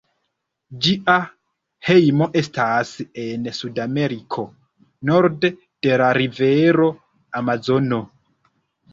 Ĝia hejmo estas en Sudameriko, norde de la rivero Amazono.